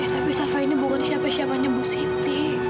tapi safa ini bukan siapa siapanya bu siti